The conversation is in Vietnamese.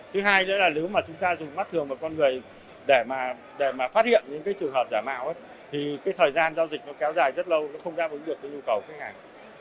thứ hai nữa là nếu mà chúng ta dùng mắt thường và con người để mà để mà phát hiện những cái trường hợp giả mạo thì cái thời gian giao dịch nó kéo dài rất lâu nó không đáp ứng được cái nhu cầu khách hàng